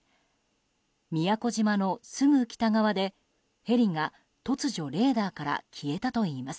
宮古島のすぐ北側でヘリが突如、レーダーから消えたといいます。